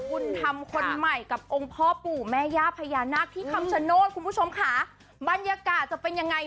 บุญธรรมคนใหม่กับองค์พ่อปู่แม่ย่าพญานาคที่คำชโนธคุณผู้ชมค่ะบรรยากาศจะเป็นยังไง